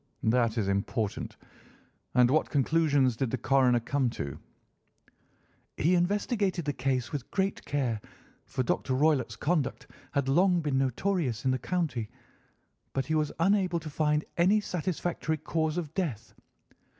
That is important. And what conclusions did the coroner come to?" "He investigated the case with great care, for Dr. Roylott's conduct had long been notorious in the county, but he was unable to find any satisfactory cause of death.